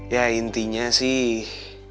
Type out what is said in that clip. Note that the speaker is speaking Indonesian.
ya intinya sih